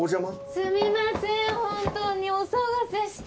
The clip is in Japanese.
すみません本当にお騒がせして。